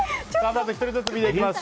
１人ずつ見ていきます。